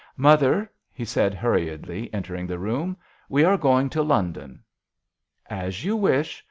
" Mother," he said, hurriedly entering the room, " we are going to London." " As you wish.